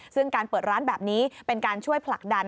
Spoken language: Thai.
ซึ่งการเปิดร้านแบบนี้เป็นการช่วยผลักดัน